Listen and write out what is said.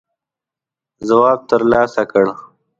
ځواب تر لاسه کړ.